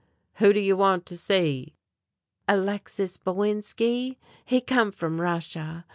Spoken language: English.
"Who do you want to see?" "Alexis Bowinski. He come from Russia.